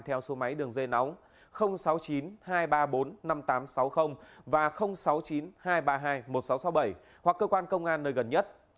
theo số máy đường dây nóng sáu mươi chín hai trăm ba mươi bốn năm nghìn tám trăm sáu mươi và sáu mươi chín hai trăm ba mươi hai một nghìn sáu trăm sáu mươi bảy hoặc cơ quan công an nơi gần nhất